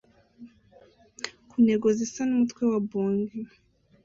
ku ntego zisa n'umutwe wa bong